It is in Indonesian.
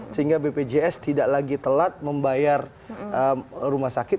sehingga bpjs tidak lagi telat membayar rumah sakit